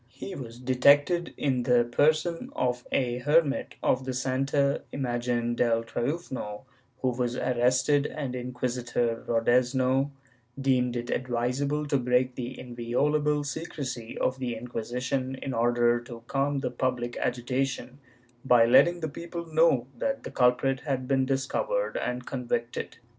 He was detected, in the person of a hermit of the Santa Imagen del Triunfo, w^ho was arrested, and Inquisitor Rodezno deemed it advisable to break the inviolable secrecy of the Inquisition in order to calm the public agitation, by letting the people know that the culprit had been discovered and convicted.